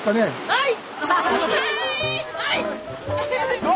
はい！